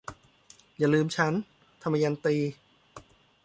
อย่าลืมฉัน - ทมยันตี